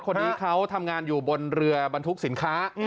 คนนี้เขาทำงานอยู่บนเรือบรรทุกสินค้า